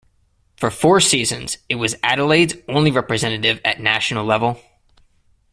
For four seasons, it was Adelaide's only representative at national level.